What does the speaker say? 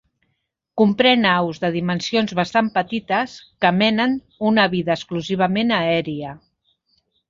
Comprèn aus de dimensions bastant petites que menen una vida exclusivament aèria.